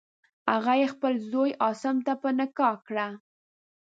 هغه یې خپل زوی عاصم ته په نکاح کړه.